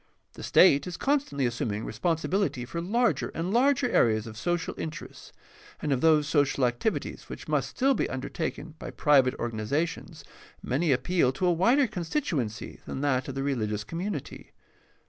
The state is constantly assum ing responsibility for larger and larger areas of social interests, and of those social activities which must still be undertaken by private organizations many appeal to a wider constituency than that of the rehgious community.